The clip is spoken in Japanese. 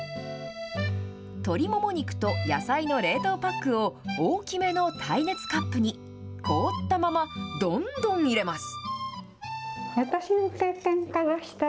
鶏もも肉と野菜の冷凍パックを、大きめの耐熱カップに、凍ったままどんどん入れます。